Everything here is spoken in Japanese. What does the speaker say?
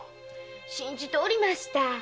信じておりました。